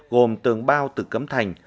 gồm tường bao từ cấm thành